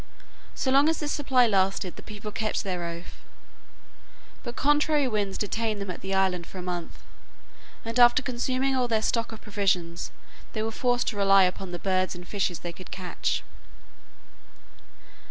So long as this supply lasted the people kept their oath, but contrary winds detained them at the island for a month, and after consuming all their stock of provisions, they were forced to rely upon the birds and fishes they could catch.